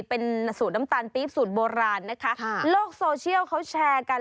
เป็นสูตรน้ำตาลปี๊บสูตรโบราณนะคะโลกโซเชียลเขาแชร์กัน